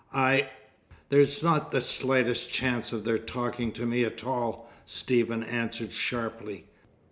I " "There's not the slightest chance of their talking to me at all," Stephen answered sharply.